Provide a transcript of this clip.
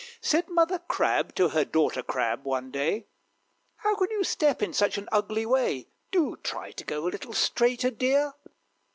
Said Mother Crab to Daughter Crab, one day, "How can you step in such an ugly way? Do try to go a little straighter, dear!"